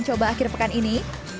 coba akhir pekan ini